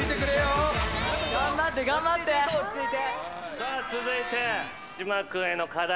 さあ続いて。